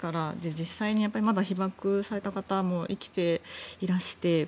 実際に、まだ被爆された方も生きていらして。